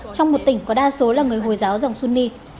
trong một tỉnh có đa số là người hội giáo dòng sunni